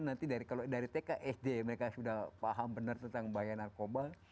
harapkan nanti kalau dari tk sd mereka sudah paham benar tentang bahaya narkoba